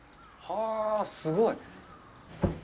はあ、すごい。